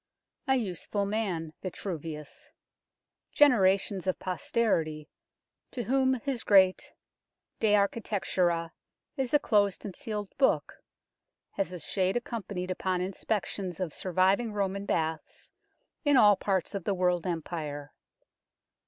A useful man Vitruvius ; generations of posterity, to whom his great De Architectura is a closed and sealed book, has his shade accompanied upon inspections of surviving Roman baths in all parts of the world empire.